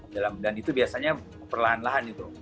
dan itu biasanya perlahan lahan itu